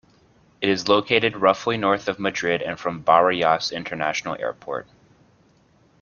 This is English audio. It is located roughly north of Madrid and from Barajas International Airport.